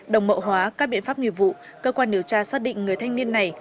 đồng mẫu hóa các biện pháp nghiệp vụ cơ quan điều tra xác định người thanh niên này